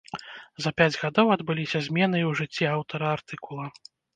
За пяць гадоў адбыліся змены і ў жыцці аўтара артыкула.